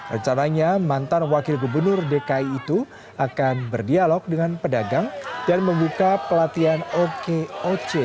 rencananya mantan wakil gubernur dki itu akan berdialog dengan pedagang dan membuka pelatihan okoc